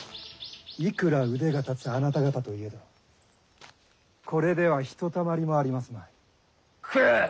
いくら腕が立つあなた方といえどこれではひとたまりもありますまい。